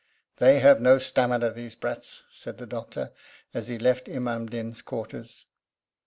'They have no stamina, these brats,' said the Doctor, as he left Imam Din's quarters.